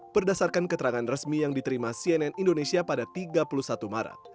berdasarkan keterangan resmi yang diterima cnn indonesia pada tiga puluh satu maret